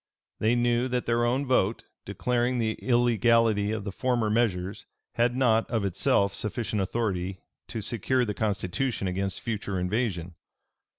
They knew that their own vote, declaring the illegality of the former measures, had not, of itself, sufficient authority to secure the constitution against future invasion.